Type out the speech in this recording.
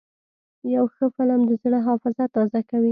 یو ښه فلم د زړه حافظه تازه کوي.